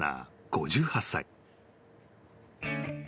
５８歳］